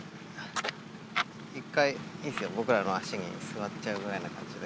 一回、いいですよ、僕らの足に座っちゃうぐらいな感じで。